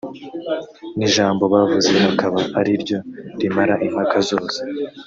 n’ijambo bavuze akaba ari ryo rimara impaka zose